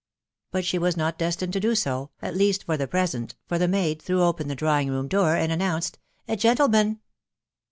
But she was not destined to do so, at least for the present, for the maid threw open the drawing room door, and announced "A gentleman."